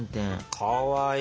かわいいね。